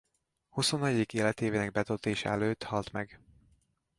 Huszonegyedik életévének betöltése előtt halt meg.